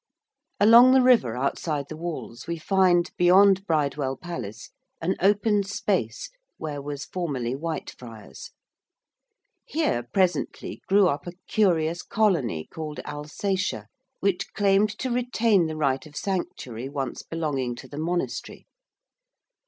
Along the river outside the walls we find, beyond Bridewell Palace, an open space where was formerly Whitefriars. Here presently grew up a curious colony called Alsatia, which claimed to retain the right of Sanctuary once belonging to the monastery.